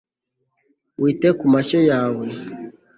wite ku mashyo yawe